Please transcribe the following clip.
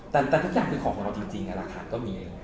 แต่ทุกอย่างคือของของเราจริงละครก็มีเอง